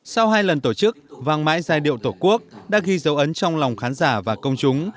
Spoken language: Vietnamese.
sau hai lần tổ chức vang mãi giai điệu tổ quốc đã ghi dấu ấn trong lòng khán giả và công chúng